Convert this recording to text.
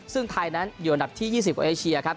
ซึ่งไทยนั้นอยู่อันดับที่๒๐ของเอเชียครับ